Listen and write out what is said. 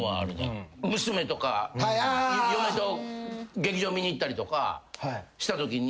娘とか嫁と劇場見に行ったりとかしたときに。